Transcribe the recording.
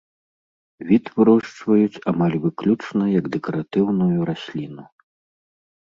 Від вырошчваюць амаль выключна як дэкаратыўную расліну.